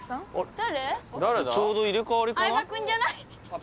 ちょうど入れ替わりかな？